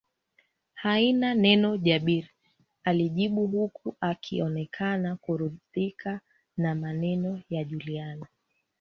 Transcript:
Haina neno Jabir alijibu huku akionekana kuridhika na maneno ya Juliana